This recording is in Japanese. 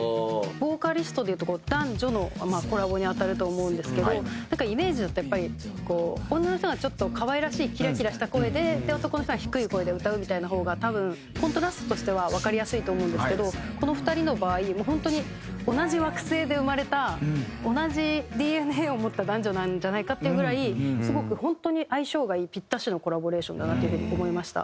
ボーカリストでいうと男女のコラボに当たると思うんですけどなんかイメージだとやっぱり女の人がちょっと可愛らしいキラキラした声で男の人は低い声で歌うみたいな方が多分コントラストとしてはわかりやすいと思うんですけどこの２人の場合本当に同じ惑星で生まれた同じＤＮＡを持った男女なんじゃないかっていうぐらいすごく本当に相性がいいぴったしのコラボレーションだなという風に思いました。